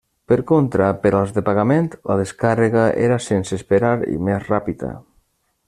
Per contra, per als de pagament, la descàrrega era sense esperar i més ràpida.